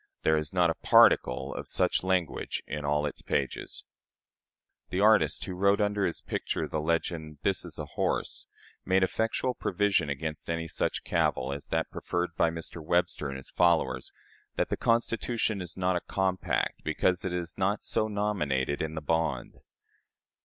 There is not a particle of such language in all its pages." The artist, who wrote under his picture the legend "This is a horse," made effectual provision against any such cavil as that preferred by Mr. Webster and his followers, that the Constitution is not a compact, because it is not "so nominated in the bond."